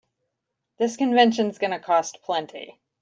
This convention's gonna cost plenty.